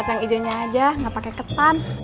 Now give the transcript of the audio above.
bisa yang ijonya aja gak pake ketan